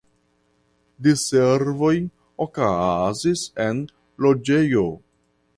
Diservoj okazis en loĝejo.